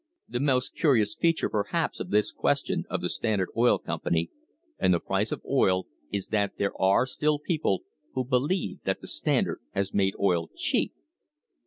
The most curious feature perhaps of this question of the Standard Oil Company and the price of oil is that there are still people who believe that the Standard has made oil cheap!